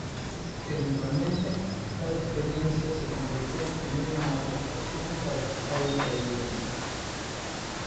Eventualmente, cada experiencia se convirtió en una aportación para su fábrica de guiones.